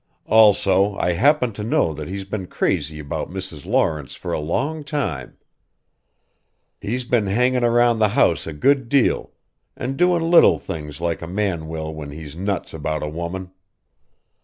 "Also I happen to know that he's been crazy about Mrs. Lawrence for a long time. He's been hangin' around the house a good deal an' doin' little things like a man will when he's nuts about a woman.